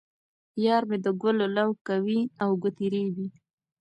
یار مې د ګلو لو کوي او ګوتې رېبي.